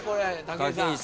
武井さん。